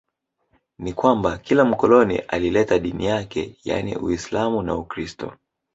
Ni kwamba kila mkoloni alileta dini yake yaani Uislamu na Ukristo